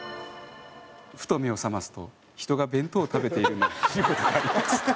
「ふと目をさますと人が弁当を食べているのを見ることがあります」